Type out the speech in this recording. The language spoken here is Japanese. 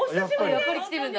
やっぱり来てるんだ。